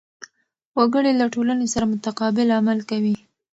وګړي له ټولنې سره متقابل عمل کوي.